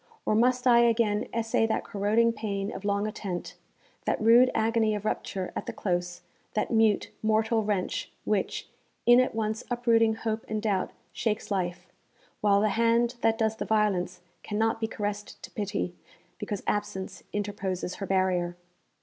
or must I again essay that corroding pain of long attent, that rude agony of rupture at the close, that mute, mortal wrench, which, in at once uprooting hope and doubt, shakes life, while the hand that does the violence cannot be caressed to pity, because absence interposes her barrier.